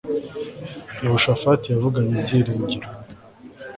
Yehoshafati yavuganye ibyiringiro